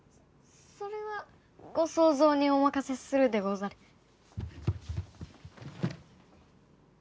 それはご想像にお任せするでござる。